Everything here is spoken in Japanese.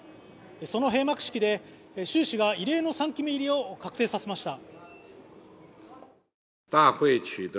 その閉幕式で習氏が異例の３期目入りを確定させました。